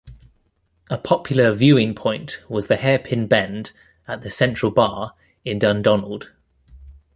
A popular viewing point was the hairpin bend at the Central Bar in Dundonald.